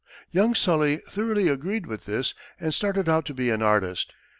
Young Sully thoroughly agreed with this and started out to be an artist.